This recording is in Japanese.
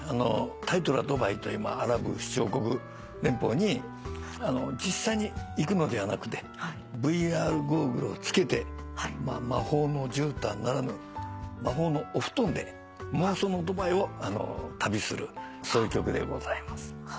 タイトルはドバイアラブ首長国連邦に実際に行くのではなくてＶＲゴーグルをつけて魔法のじゅうたんならぬ魔法のお布団で妄想のドバイを旅するそういう曲でございます。